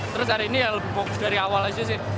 terus hari ini ya lebih fokus dari awal aja sih